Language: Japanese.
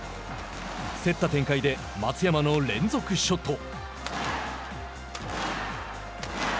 競った展開で松山の連続ショット。